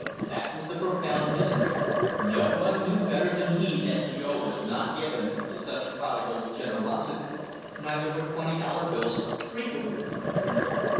That was the profound mystery. No one knew better than he that Joe was not given to such prodigal generosity; neither were twenty dollar bills frequent with him.